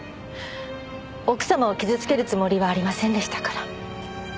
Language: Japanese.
奥様を傷つけるつもりはありませんでしたから。